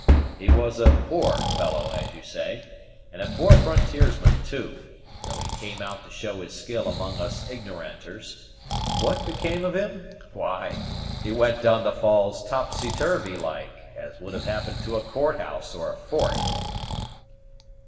"He was a poor fellow, as you say; and a poor frontierman too, though he came out to show his skill among us ignoranters. What became of him? Why, he went down the falls topsy turvey like, as would have happened to a court house or a fort."